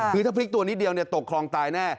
คือถ้าพลิกตัวนิดเดียวตกคลองตายแน่